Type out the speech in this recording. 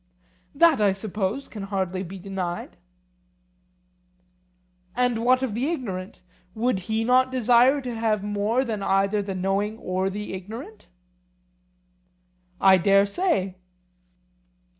That, I suppose, can hardly be denied. And what of the ignorant? would he not desire to have more than either the knowing or the ignorant? I dare say.